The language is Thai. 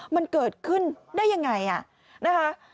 มันเกิดขึ้นได้อย่างไร